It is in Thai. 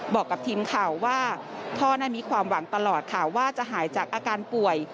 บอกกับทีมข่าวว่าพ่อนั้นมีความหวังตลอดค่ะว่าจะหายจากอาการป่วย